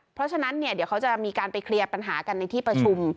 เพราะฉะนั้นเนี่ยเดี๋ยวเขาจะมีการไปเคลียร์ปัญหากันในที่ประชุม